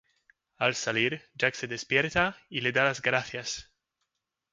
Al salir, Jack se despierta y le da las gracias.